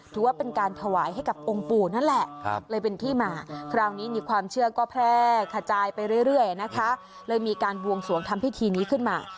ถือว่าเป็นการถวายให้กับองค์ปู่นั่นแหละเลยเป็นที่มาคราวนี้ความเชื่อก็แพร่ขจายไปเรื่อยนะคะเลยมีการบวงสวงทำพิธีนี้ขึ้นมา